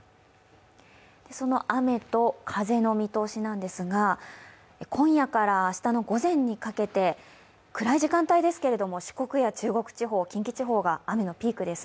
その雨と風の見通しなんですが、今夜から明日の午前にかけて暗い時間帯ですけれども、四国や中国地方、近畿地方が雨のピークです。